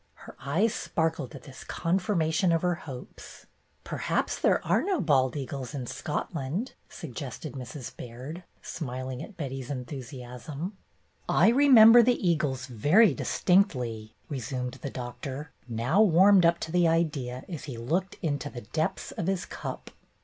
'' Her eyes sparkled at this confirmation of her hopes. "Perhaps there are no bald eagles in Scot land," suggested Mrs. Baird, smiling at Betty's enthusiasm. "I remember the eagles very distinctly," resumed the Doctor, now warmed up to the idea, as he looked into the depths of his cup.